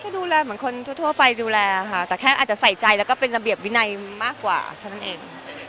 ก็ดูแลเหมือนคนทั่วไปดูแลค่ะแต่แค่อาจจะใส่ใจแล้วก็เป็นระเบียบวินัยมากกว่าเท่านั้นเอง